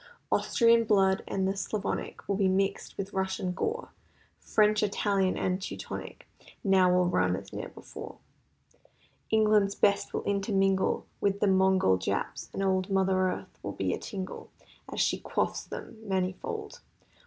Austrian blood and the Slavonic Will be mixed with Russian gore; French, Italian and Teutonic Now will run as ne'er before; England's best will intermingle With the Mongol Jap's, and old Mother Earth will be a tingle As she quaffs them, manifold.